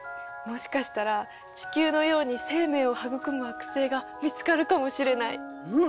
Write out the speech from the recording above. もしかしたら地球のように生命を育む惑星が見つかるかもしれない！